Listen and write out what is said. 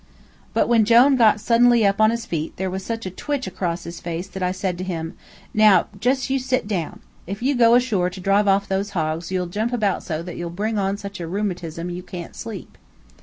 But when Jone got suddenly up on his feet there was such a twitch across his face that I said to him, "Now just you sit down. If you go ashore to drive off those hogs you'll jump about so that you'll bring on such a rheumatism you can't sleep."